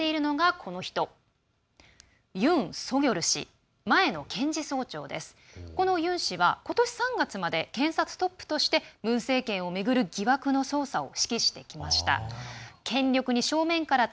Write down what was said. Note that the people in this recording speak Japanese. このユン氏は、ことし３月まで検察トップとしてムン政権を巡る疑惑の捜査を指揮してきました。